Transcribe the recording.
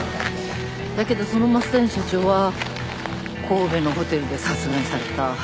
だけどその増谷社長は神戸のホテルで殺害された。